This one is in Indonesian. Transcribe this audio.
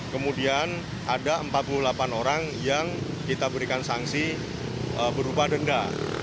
kemudian ada empat puluh delapan orang yang kita berikan sanksi berupa denda